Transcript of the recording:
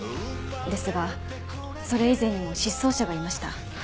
ですがそれ以前にも失踪者がいました。